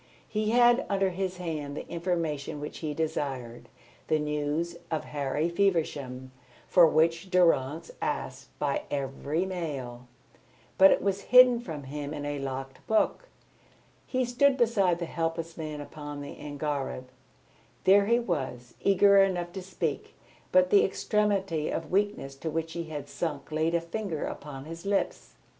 He had under his hand the information which he desired, the news of Harry Feversham for which Durrance asked by every mail, but it was hidden from him in a locked book. He stood beside the helpless man upon the angareb. There he was, eager enough to speak, but the extremity of weakness to which he had sunk laid a finger upon his lips.